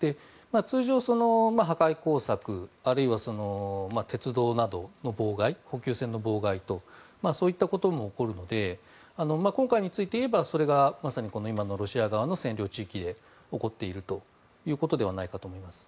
通常、破壊工作あるいは鉄道などの妨害補給線の妨害とそういったことも起こるので今回について言えばそれがまさに今のロシア側の占領地域で起こっているということではないかと思います。